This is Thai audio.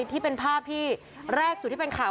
ที่เป็นภาพที่แรกสุดที่เป็นข่าว